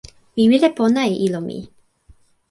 mi wile pona e ilo mi.